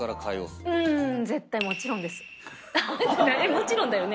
もちろんだよね？